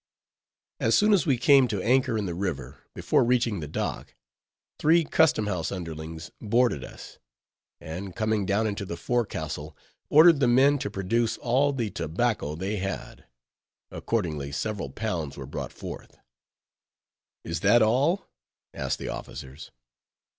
As soon as we came to anchor in the river, before reaching the dock, three Custom house underlings boarded us, and coming down into the forecastle, ordered the men to produce all the tobacco they had. Accordingly several pounds were brought forth. "Is that all?" asked the officers.